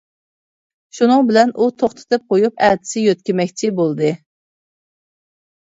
شۇنىڭ بىلەن ئۇ توختىتىپ قويۇپ، ئەتىسى يۆتكىمەكچى بولدى.